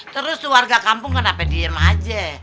terus luar ragah kampung kenapa diem aja